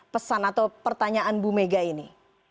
pesan atau pertanyaan bu mega ini